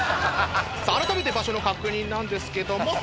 改めて場所の確認なんですけども。